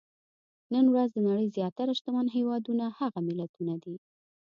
نن ورځ د نړۍ زیاتره شتمن هېوادونه هغه ملتونه دي.